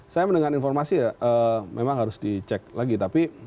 saya mendengar informasi ya memang harus dicek lagi tapi